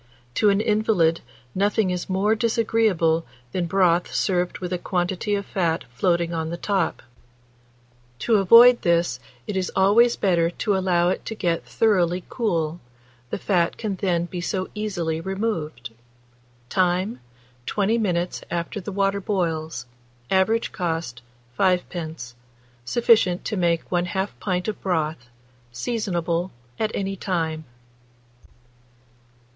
To an invalid nothing is more disagreeable than broth served with a quantity of fat floating on the top; to avoid this, it is always better to allow it to get thoroughly cool, the fat can then be so easily removed. Time. 20 minutes after the water boils. Average cost, 5d. Sufficient to make 1/2 pint of broth. Seasonable at any time.